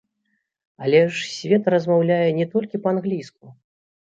Але ж свет размаўляе не толькі па-англійску!